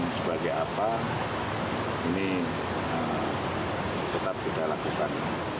sebagai apa ini tetap kita lakukan